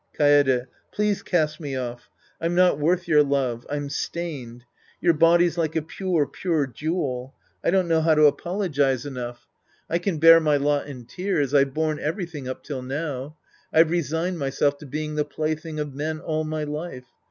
Kaede. Please cast me off. I'm not worth your love. I'm stained. Your body's like a pure, pure Jewel. I don't know how to apologize enough. I Sc. I The Priest and His Disciples 141 can bear my lot in tears. I've borne everything up till now. I've resigDedjnyself to being the plaything of men all my life.